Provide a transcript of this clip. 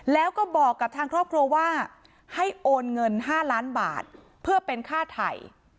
แล้วก็บอกกับทางครอบครัวว่าให้โอนเงิน๕ล้านบาทเพื่อเป็นค่าไทย